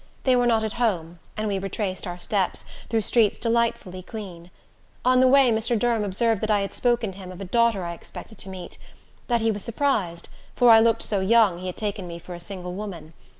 They were not at home, and we retracted our steps through streets delightfully clean. On the way, Mr. Durham observed that I had spoken to him of a daughter I expected to meet; that he was surprised, for I looked so young he had taken me for a single woman.